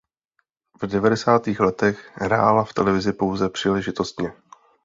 V devadesátých letech hrála v televizi pouze příležitostně.